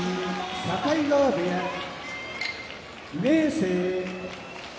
境川部屋明生